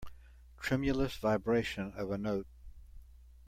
Tremulous vibration of a note.